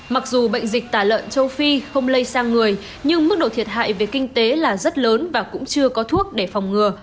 mặc dù bệnh dịch tả lợn châu phi không lây sang người nhưng mức độ thiệt hại về kinh tế là rất lớn và cũng chưa có thuốc để phòng ngừa